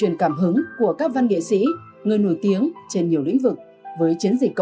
hẹn gặp lại các bạn trong những video tiếp theo